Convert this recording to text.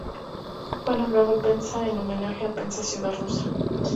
Fue nombrado Penza en homenaje a Penza ciudad rusa.